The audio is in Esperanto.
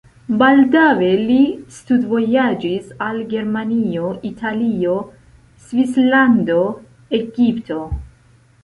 Baldaŭe li studvojaĝis al Germanio, Italio, Svislando, Egipto.